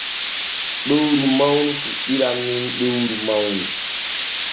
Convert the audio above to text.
Ɗoyru mawnu fuɗɗiran nun ɗoyru mawnu.